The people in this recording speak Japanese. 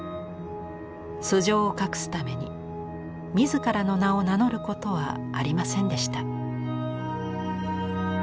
素性を隠すために自らの名を名乗ることはありませんでした。